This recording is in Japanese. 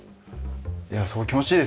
いやそこ気持ちいいですよね。